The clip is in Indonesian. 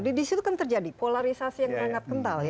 disitu kan terjadi polarisasi yang sangat kental